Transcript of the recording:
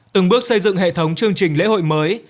từng bước xây dựng hệ thống chương trình lễ hội mới